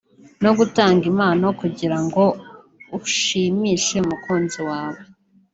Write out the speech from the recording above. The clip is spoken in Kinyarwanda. no gutanga impano kugira ngo ushimishe umukunzi wawe